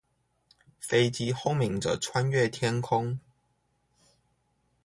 飛機轟鳴著穿越天空